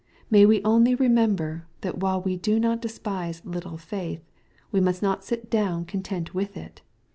May we only remember, that while we do not despise little faith, we must not sit down content with it.